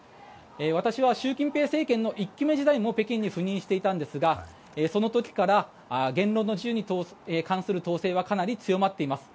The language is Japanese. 私は習近平政権の１期目時代も北京に赴任していたんですがその時から言論の自由に関する統制はかなり強まっています。